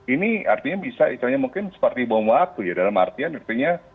ini artinya bisa istilahnya mungkin seperti bom waktu ya dalam artian artinya